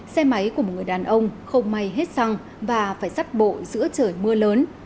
xe máy của một người đàn ông không may hết xăng và phải sắt bộ giữa trời mưa lớn